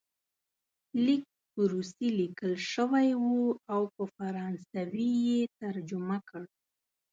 لیک په روسي لیکل شوی وو او په فرانسوي یې ترجمه کړ.